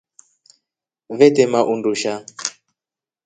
Vetema undusha.